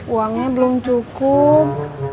uangnya belum cukup